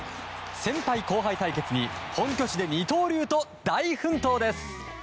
先輩・後輩対決に本拠地で二刀流と大奮闘です！